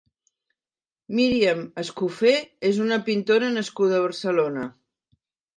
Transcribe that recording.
Miriam Escofet és una pintora nascuda a Barcelona.